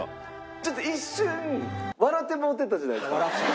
ちょっと一瞬笑ってもうてたじゃないですか。